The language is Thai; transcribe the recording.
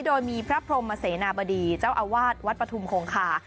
โดยมีพระพรมเสนาบดีเจ้าอาวาสวัดปฐุมคงคา